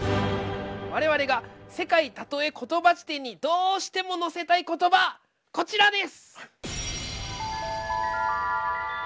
我々が「世界たとえコトバ辞典」にどうしても載せたいコトバこちらです！